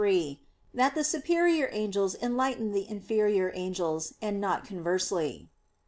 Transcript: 3), that the superior angels enlighten the inferior angels; and not conversely.